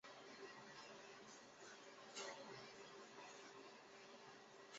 属乌贝拉巴总教区。